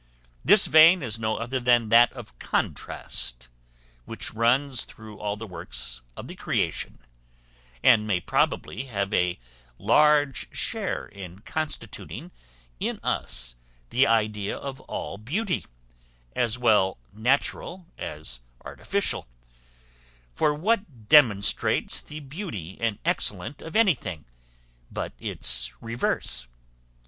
This vein is no other than that of contrast, which runs through all the works of the creation, and may probably have a large share in constituting in us the idea of all beauty, as well natural as artificial: for what demonstrates the beauty and excellence of anything but its reverse?